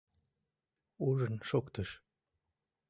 Ужын шуктыш!